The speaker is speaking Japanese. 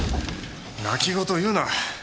泣き言言うな！